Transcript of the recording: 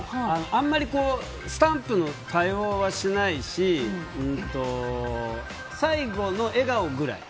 あんまりスタンプの多用はしないし最後の笑顔くらい。